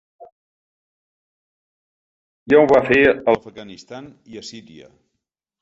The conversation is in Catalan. Ja ho va fer a l’Afganistan i a Síria.